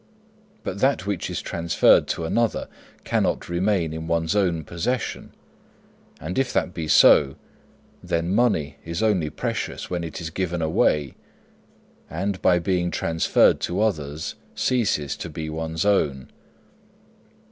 But that which is transferred to another cannot remain in one's own possession; and if that be so, then money is only precious when it is given away, and, by being transferred to others, ceases to be one's own.